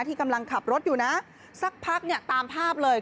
ที่กำลังขับรถอยู่นะสักพักเนี่ยตามภาพเลย